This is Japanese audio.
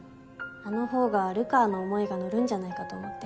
あのほうが流川の想いが乗るんじゃないかと思って。